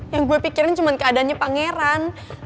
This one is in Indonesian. yang gue pikirin cuma keadaannya pangeran